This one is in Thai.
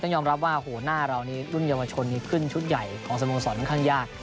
ยอมรับว่าหน้าเรานี้รุ่นเยาวชนนี้ขึ้นชุดใหญ่ของสโมสรค่อนข้างยาก